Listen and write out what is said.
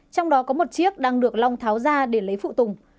trong đó có một chiếc đang được long tháo ra để lấy phụ tùng